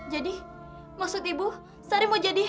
jadi maksud ibu sari mau jadi